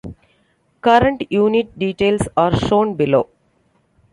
Current unit details are shown below.